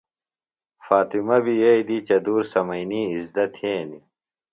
فاطمہ بیۡ یئیی دی چدُور سمئینی اِزدہ تھینیۡ۔